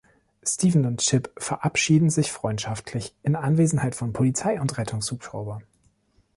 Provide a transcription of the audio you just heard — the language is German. Steven und Chip verabschieden sich freundschaftlich in Anwesenheit von Polizei und Rettungshubschrauber.